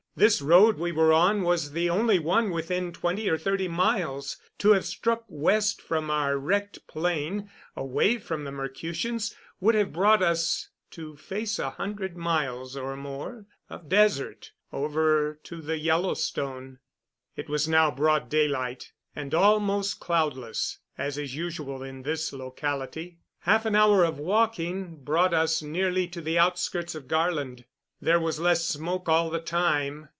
This road we were on was the only one within twenty or thirty miles. To have struck west from our wrecked plane away from the Mercutians would have brought us to face a hundred miles or more of desert over to the Yellowstone. It was now broad daylight and almost cloudless, as is usual in this locality. Half an hour of walking brought us nearly to the outskirts of Garland. There was less smoke all the time.